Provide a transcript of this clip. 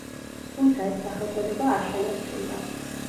თუმცა ეს სახელწოდება არ შენარჩუნდა.